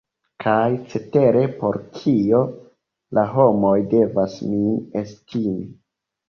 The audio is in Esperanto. Kaj cetere por kio la homoj devas min estimi?